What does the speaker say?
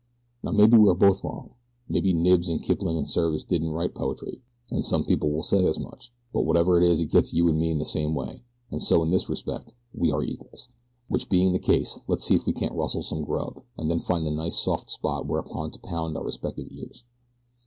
"Now maybe we are both wrong maybe Knibbs and Kipling and Service didn't write poetry, and some people will say as much; but whatever it is it gets you and me in the same way, and so in this respect we are equals. Which being the case let's see if we can't rustle some grub, and then find a nice soft spot whereon to pound our respective ears."